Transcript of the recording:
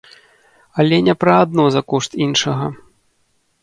Але не пра адно за кошт іншага.